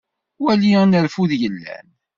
Wali anerfud yellan.